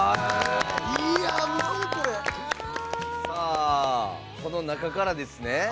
さあこの中からですね？